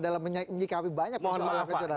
dalam menyikapi banyak persoalan